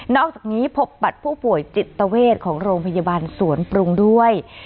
อกจากนี้พบบัตรผู้ป่วยจิตเวทของโรงพยาบาลสวนปรุงด้วย